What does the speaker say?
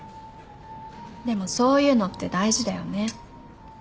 でもそういうのって大事だよね。